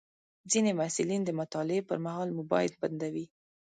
ځینې محصلین د مطالعې پر مهال موبایل بندوي.